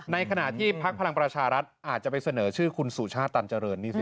ในขณะที่พักพลังประชารัฐอาจจะไปเสนอชื่อคุณสุชาติตันเจริญนี่สิ